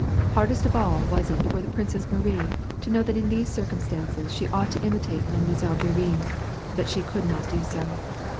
Hard est of all was it for the Princess Marie to know that in these circumstances she ought to imitate Mile. Bourienne, but she could not do so.